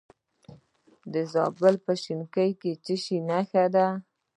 د زابل په شنکۍ کې د څه شي نښې دي؟